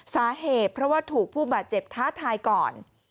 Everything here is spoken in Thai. สาเหตุเพราะว่าถูกผู้บาดเจ็บท้าทายก่อน